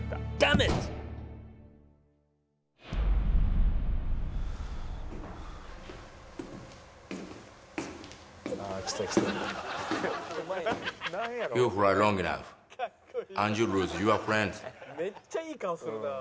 「めっちゃいい顔するなあ」